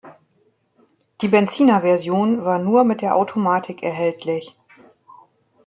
Die Benziner-Version war nur mit der Automatik erhältlich.